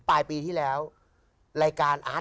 ปลายปีที่แล้วรายการอาร์ต